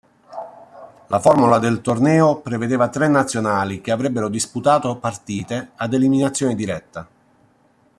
La formula del torneo prevedeva tre nazionali che avrebbero disputato partite ad eliminazione diretta.